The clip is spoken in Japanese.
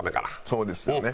そうですよね。